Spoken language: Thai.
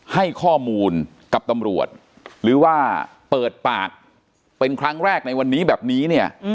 ให้ข้อมูลกับตำรวจหรือว่าเปิดปากเป็นครั้งแรกในวันนี้แบบนี้เนี่ย